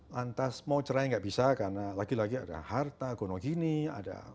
lantas mau cerai gak bisa karena lagi lagi ada harta gono gini ada sudah pisah lama